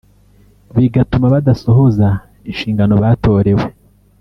bigatuma badasohoza inshingano batorewe